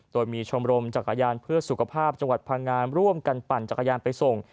โดยมีชมรมจักรยานเพื่อสุขภาพจังหวัดพังงานร่วมกันปั่นจักรยานไปส่ง